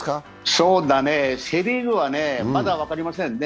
そうだね、セ・リーグはまだ分かりませんね。